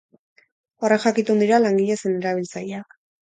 Horren jakitun dira langile zein erabiltzaileak.